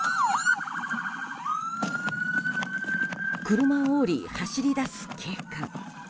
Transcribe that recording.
車を降り、走り出す警官。